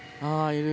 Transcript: いる